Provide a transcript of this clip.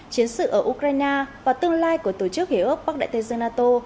chiến sự ở ukraine và tương lai của tổ chức hiệp ước bắc đại tây dương nato